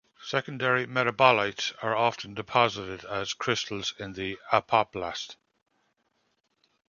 Secondary metabolites are often deposited as crystals in the apoplast.